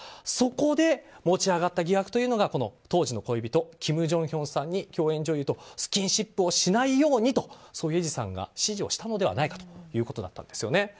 そこで持ち上がった疑惑というのが当時の恋人キム・ジョンヒョンさんに共演女優とスキンシップをしないようにとソ・イェジさんが指示をしたのではないかということなんです。